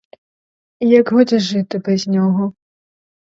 І як годі жити без нього.